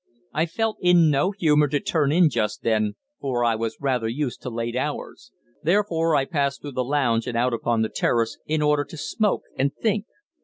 I felt in no humour to turn in just then, for I was rather used to late hours; therefore I passed through the lounge and out upon the terrace, in order to smoke and think.